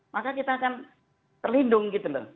maka kita akan terlindung gitu loh